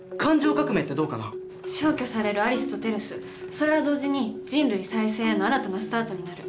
それは同時に人類再生への新たなスタートになる。